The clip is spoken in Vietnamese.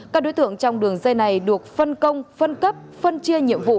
các đối tượng trong đường dây này được phân công phân cấp phân chia nhiệm vụ